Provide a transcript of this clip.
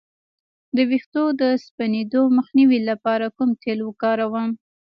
د ویښتو د سپینیدو مخنیوي لپاره کوم تېل وکاروم؟